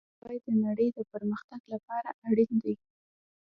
درناوی د نړۍ د پرمختګ لپاره اړین دی.